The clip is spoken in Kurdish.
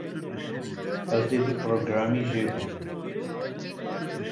Ez dê vî programî jêbim.